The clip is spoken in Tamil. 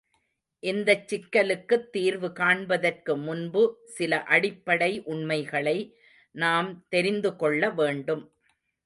இந்தச் சிக்கலுக்குத் தீர்வு காண்பதற்கு முன்பு சில அடிப்படை உண்மைகளை நாம் தெரிந்து கொள்ள வேண்டும்.